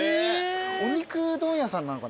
お肉問屋さんなのか。